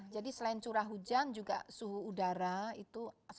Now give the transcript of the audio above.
jadi selain curah hujan juga suhu udara itu ada juga